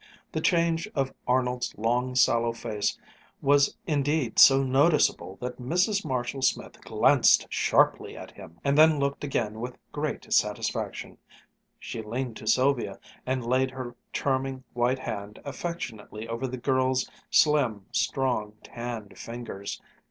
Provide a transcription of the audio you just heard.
The change of Arnold's long sallow face was indeed so noticeable that Mrs. Marshall Smith glanced sharply at him, and then looked again with great satisfaction. She leaned to Sylvia and laid her charming white hand affectionately over the girl's slim, strong, tanned fingers.